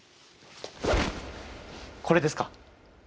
これですか？